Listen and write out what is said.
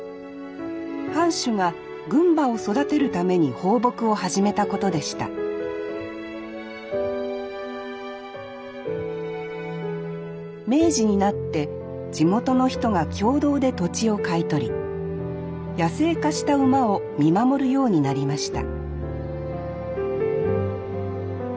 藩主が軍馬を育てるために放牧を始めたことでした明治になって地元の人が共同で土地を買い取り野生化した馬を見守るようになりました